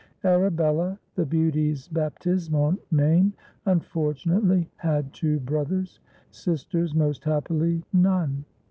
Arabella (the beauty's baptismal name) unfortunately had two brothers; sisters, most happily, none.